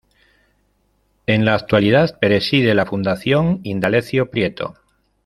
En la actualidad preside la Fundación Indalecio Prieto.